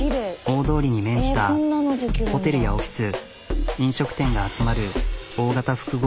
大通りに面したホテルやオフィス飲食店が集まる大型複合施設。